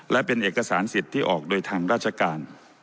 และเป็นเอกสารสิทธิ์ที่ออกโดยทางราชการ